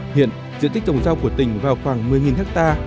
hiện diện tích trồng rau của tỉnh vào khoảng một mươi ha